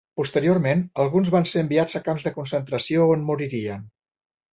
Posteriorment alguns van ser enviats a camps de concentració on moririen.